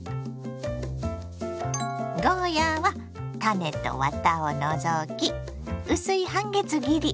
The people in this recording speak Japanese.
ゴーヤーは種とワタを除き薄い半月切り。